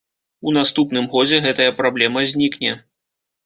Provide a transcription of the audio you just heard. У наступным годзе гэтая праблема знікне.